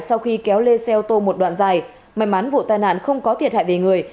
sau khi kéo lên xe ô tô một đoạn dài may mắn vụ tai nạn không có thiệt hại về người